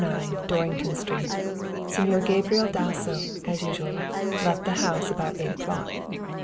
9, Dorrington Street, Señor Gabriel Dasso, as usual, left the house about eight o'clock.